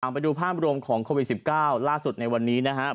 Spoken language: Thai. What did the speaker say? ไปดูภาพรวมของโควิด๑๙ล่าสุดในวันนี้นะครับ